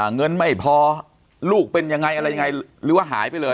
เงินไม่พอลูกเป็นยังไงอะไรยังไงหรือว่าหายไปเลย